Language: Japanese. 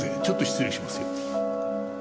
ちょっと失礼しますよ。